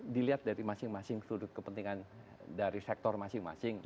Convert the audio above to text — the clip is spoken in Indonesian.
dilihat dari masing masing sudut kepentingan dari sektor masing masing